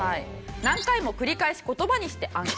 「何回も繰り返し言葉にして暗記」。